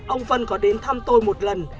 ông vân có đến thăm tôi một lần